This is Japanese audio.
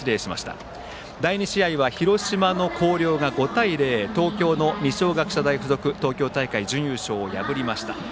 第２試合は広島・広陵が５対０で、東京の二松学舎大付属を破りました。